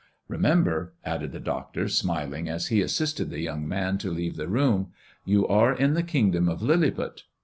Remember," added the doctor, smiling, as he assisted the young man to leave the room, " you are in the kingdom of Lilliput."